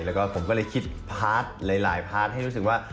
แล้วก็ผมก็เลยคิดพาร์ทหลายพาร์ทให้รู้สึกว่า